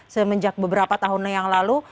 semenjak beberapa tahun yang lalu